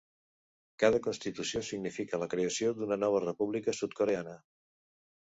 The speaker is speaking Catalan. Cada constitució significa la creació d'una nova república sud-coreana.